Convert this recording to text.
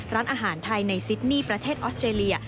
ร้านอาหารไทยในซิดนี่ประเทศออสเตรเลีย